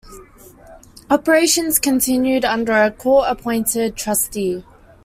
Operations continued under a court-appointed trustee.